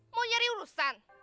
mau nyari urusan